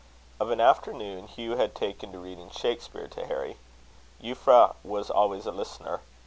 Of an afternoon Hugh had taken to reading Shakspere to Harry. Euphra was always a listener.